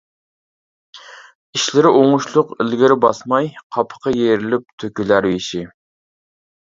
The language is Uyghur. ئىشلىرى ئوڭۇشلۇق ئىلگىرى باسماي، قاپىقى يىرىلىپ تۆكۈلەر يېشى.